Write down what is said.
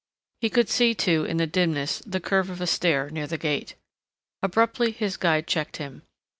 He could see, too, in the dimness the curve of a stair near the gate. Abruptly his guide checked him.